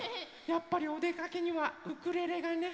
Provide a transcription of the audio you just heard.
やっぱりおでかけにはウクレレがね。